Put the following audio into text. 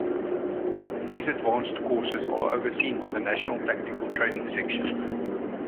These advanced courses are overseen by the National Tactical Training Section.